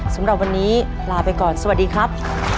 สำหรับวันนี้ลาไปก่อนสวัสดีครับ